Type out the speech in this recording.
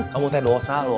kamu teh dosa loh